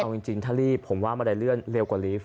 เอาจริงถ้ารีบผมว่าบันไดเลื่อนเร็วกว่าลีฟ